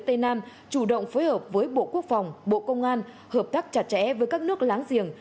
tây nam chủ động phối hợp với bộ quốc phòng bộ công an hợp tác chặt chẽ với các nước láng giềng